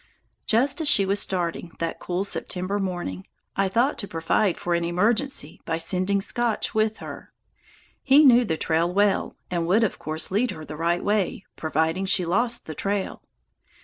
Just as she was starting, that cool September morning, I thought to provide for an emergency by sending Scotch with her. He knew the trail well and would, of course, lead her the right way, providing she lost the trail.